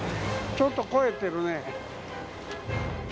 ちょっと肥えてるね。